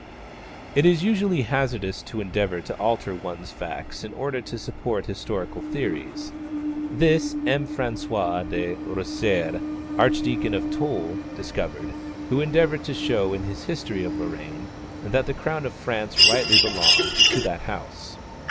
It is usually hazardous to endeavour to alter one's facts in order to support historical theories. This M. François de Rosières, Archdeacon of Toul, discovered, who endeavoured to show in his history of Lorraine that the crown of France rightly belonged to that house.